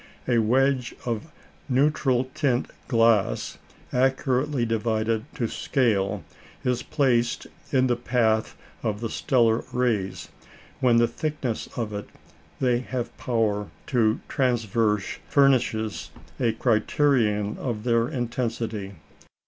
A wedge of neutral tint glass, accurately divided to scale, is placed in the path of the stellar rays, when the thickness of it they have power to traverse furnishes a criterion of their intensity.